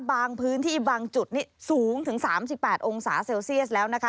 บางพื้นที่บางจุดนี่สูงถึง๓๘องศาเซลเซียสแล้วนะคะ